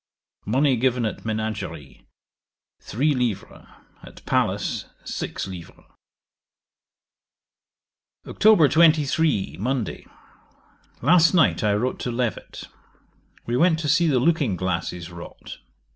Money given at Menagerie, three livres; at palace, six livres. 'Oct. 23. Monday. Last night I wrote to Levet. We went to see the looking glasses wrought.